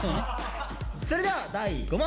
それでは第５問。